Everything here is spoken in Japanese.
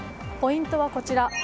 ポイントはこちら。